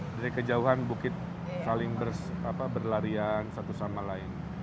dari kejauhan bukit saling berlarian satu sama lain